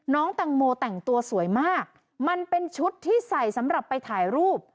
น้องแตงโมแต่งตัวสวยมากมันเป็นชุดที่ใส่สำหรับไปถ่ายรูป